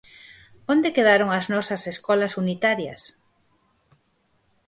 Onde quedaron as nosas escolas unitarias?